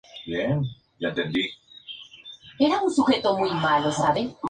Debido a esto, los padrinos y otros presentes decidieron suspender el enfrentamiento.